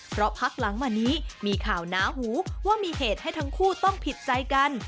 เพราะพักหลังมานี้มีข่าวหนาหูว่ามีเหตุให้ทั้งคู่ต้องผิดใจกัน